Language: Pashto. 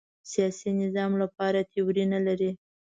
سیاسي نظام لپاره تیوري نه لري